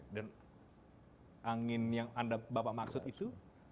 dan angin yang bapak maksud itu